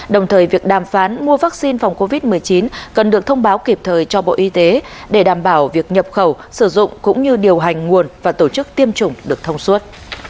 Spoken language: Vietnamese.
đồng thời việc đàm phán mua vaccine phòng covid một mươi chín cần được thông báo kịp thời cho bộ y tế để đảm bảo việc nhập khẩu sử dụng cũng như điều hành nguồn và tổ chức tiêm chủng được thông suốt